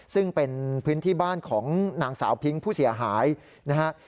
ซึ่งเป็นพื้นที่บ้านของนางสาวพิ้งผู้เสียหายนะฮะ